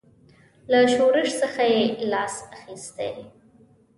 له شورش څخه یې لاس اخیستی.